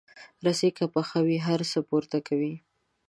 رسۍ که پخه وي، هر څه پورته کوي.